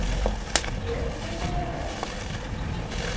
Кӧ тый тыгай улат?